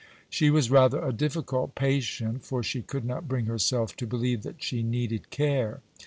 She was rather a difficult patient, for she could not bring herself to believe that she needed care.